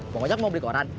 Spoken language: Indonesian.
pokoknya aku mau beli koran